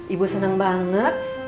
ibu seneng banget